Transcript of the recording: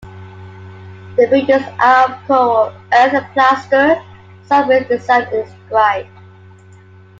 The buildings are of coral, earth and plaster, some with designs inscribed.